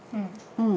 うん。